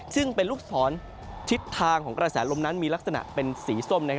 ซึ่งเป็นลูกศรทิศทางของกระแสลมนั้นมีลักษณะเป็นสีส้ม